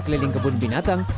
keliling kebun binatang